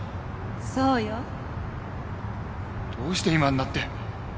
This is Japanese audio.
そうよ。どうして今になって？